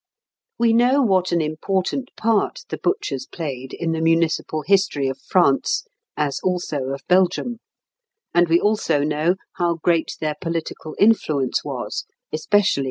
We know what an important part the butchers played in the municipal history of France, as also of Belgium; and we also know how great their political influence was, especially in the fifteenth century.